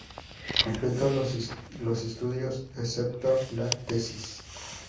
Completó los estudios, excepto la tesis.